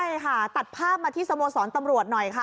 ใช่ค่ะตัดภาพมาที่สโมสรตำรวจหน่อยค่ะ